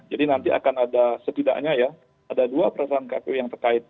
jadi nanti akan ada setidaknya ya ada dua peraturan kpu yang terkait